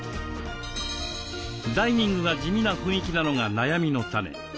ダイニングが地味な雰囲気なのが悩みの種。